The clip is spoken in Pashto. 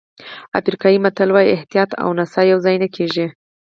افریقایي متل وایي احتیاط او نڅا یوځای نه کېږي.